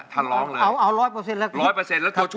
เพลงนี้เราร้องร้อยปะแคศนเหรอครับ